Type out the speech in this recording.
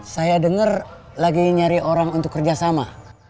saya dengar lagi nyari orang untuk kerjasama